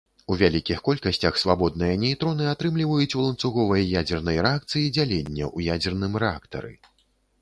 У вялікіх колькасцях свабодныя нейтроны атрымліваюць у ланцуговай ядзернай рэакцыі дзялення ў ядзерным рэактары.